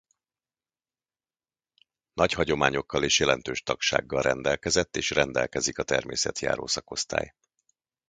Nagy hagyományokkal és jelentős tagsággal rendelkezett és rendelkezik a természetjáró szakosztály.